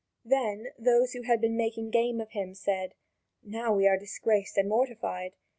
Then those who had been making game of him said: "Now we are disgraced and mortified.